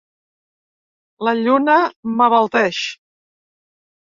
La lluna m'abalteix.